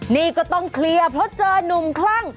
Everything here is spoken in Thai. นี่ก็ต้องเคลียร์เพราะเจอนุ่มคลั่ง